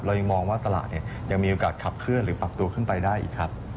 ยังมองว่าตลาดยังมีโอกาสขับเคลื่อนหรือปรับตัวขึ้นไปได้อีกครับ